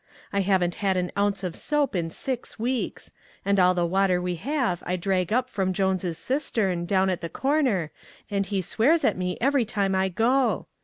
I haven't had an ounce of soap in six weeks ; and all the water we have I drag up from Jones' cistern, down at the corner, and he swears at me every time I go.